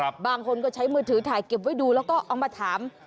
บางคนก็ใช้มือถือถ่ายเก็บไว้ดูแล้วก็เอามาถาม